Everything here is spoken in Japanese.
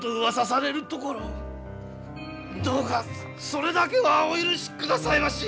どうかそれだけはお許しくださいまし。